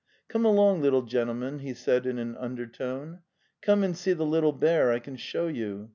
"Come along, little gentleman," he said in an undertone, '' come and see the little bear I can show you!